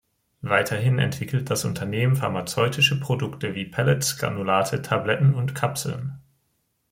Weiterhin entwickelt das Unternehmen pharmazeutische Produkte, wie Pellets, Granulate, Tabletten und Kapseln.